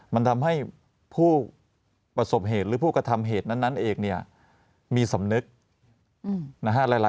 มันทำให้ผู้ประสบเหตุหรือผู้กระทำเหตุนั้นเองเนี่ยมีสำนึกนะฮะ